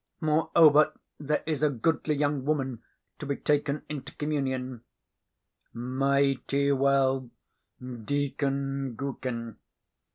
Moreover, there is a goodly young woman to be taken into communion." "Mighty well, Deacon Gookin!"